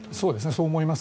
そう思います。